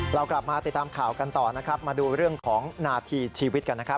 เรากลับมาติดตามข่าวกันต่อนะครับมาดูเรื่องของนาทีชีวิตกันนะครับ